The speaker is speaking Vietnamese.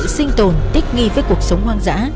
tự sinh tồn tích nghi với cuộc sống hoang dã